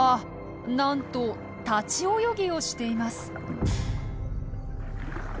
なんと立ち泳ぎをしています！